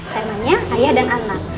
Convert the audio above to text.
temannya ayah dan anak